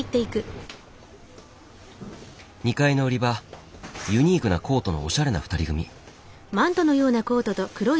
２階の売り場ユニークなコートのおしゃれな２人組。